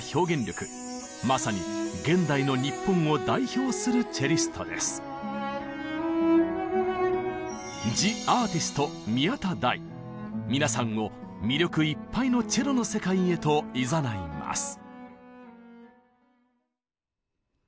まさに現代の皆さんを魅力いっぱいのチェロの世界へといざないます。